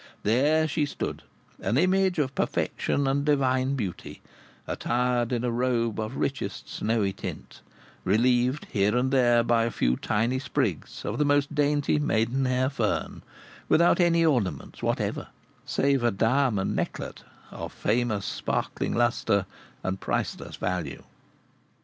There she stood, an image of perfection and divine beauty, attired in a robe of richest snowy tint, relieved here and there by a few tiny sprigs of the most dainty maidenhair fern, without any ornaments whatever, save a diamond necklet of famous sparkling lustre and priceless value.